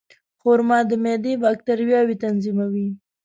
خرما د معدې باکتریاوې تنظیموي.